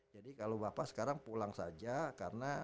jadi kalau bapak sekarang pulang saja karena